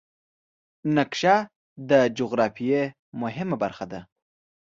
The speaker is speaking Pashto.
نقشه د جغرافیې مهمه برخه ده.